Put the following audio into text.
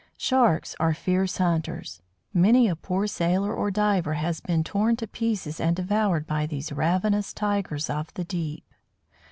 Sharks are fierce hunters. Many a poor sailor or diver has been torn to pieces and devoured by these ravenous tigers of the deep.